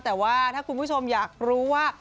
แต่ว่าถ้าคุณผู้ชมอยากรู้ว่า